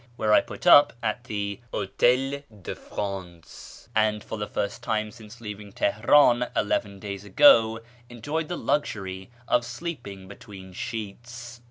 where I put up at the Hotel de Prance, and, for the first time since leaving Teheran eleven days ago, enjoyed the luxury of sleeping between sheets.